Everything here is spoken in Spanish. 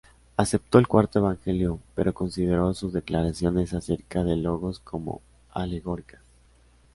Aceptó el cuarto Evangelio, pero consideró sus declaraciones acerca del Logos como alegóricas.